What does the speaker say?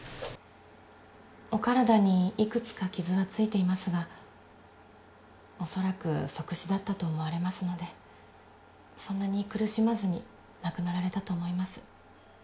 お体に幾つか傷は付いていますがおそらく即死だったと思われますのでそんなに苦しまずに亡くなられたと思います。